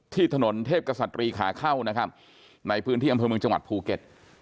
ถนนเทพกษัตรีขาเข้านะครับในพื้นที่อำเภอเมืองจังหวัดภูเก็ต